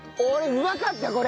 うまかった！